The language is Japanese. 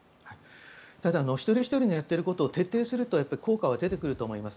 一人ひとりがやっていることを徹底すると効果は出てくると思います。